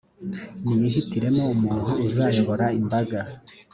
niyihitiremo umuntu uzayobora imbaga.